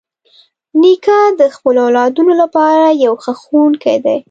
نیکه د خپلو اولادونو لپاره یو ښه ښوونکی دی.